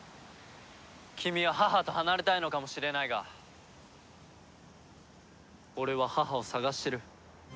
君は母と離れたいのかもしれないが俺は母を捜してる。